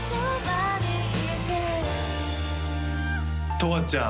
とわちゃん